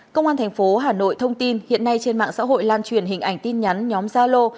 công an thành phố hà nội thông tin hiện nay trên mạng xã hội lan truyền hình ảnh tin nhắn nhóm gia lô